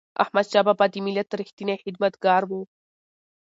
احمدشاه بابا د ملت ریښتینی خدمتګار و.